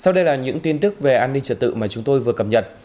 sau đây là những tin tức về an ninh trật tự mà chúng tôi vừa cập nhật